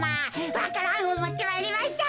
わか蘭をもってまいりました。